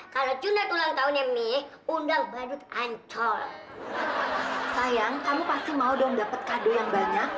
kalau cundak ulang tahunnya nih undang badut ancol sayang kamu pasti mau dong dapat kado yang banyak